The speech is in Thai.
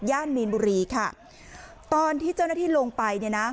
มีนบุรีค่ะตอนที่เจ้าหน้าที่ลงไปเนี่ยนะ